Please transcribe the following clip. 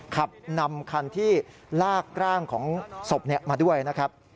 ขับนำคันที่ลากร่างของศพมาด้วยนะครับ